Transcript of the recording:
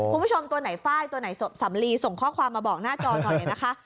คุณผู้ชมตัวไหนฝ้ายตัวไหนสำลีส่งข้อความมาบอกหน้าจอหน่อยนะคะ